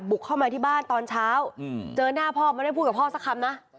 เข้ามาที่บ้านตอนเช้าเจอหน้าพ่อไม่ได้พูดกับพ่อสักคำนะ